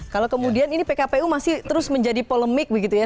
kalau kemudian ini pkpu masih terus menjadi polemik begitu ya